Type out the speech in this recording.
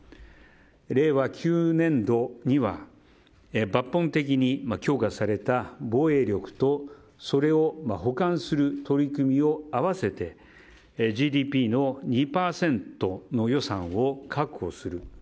令和９年度には抜本的に強化された防衛力とそれを補完する取り組みを合わせてＧＤＰの２０％の予算を確保する。